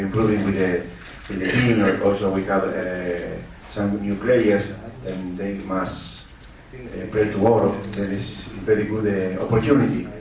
ini adalah kesempatan yang sangat baik untuk tim kita